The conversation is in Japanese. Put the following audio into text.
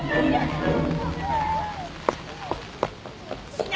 死ね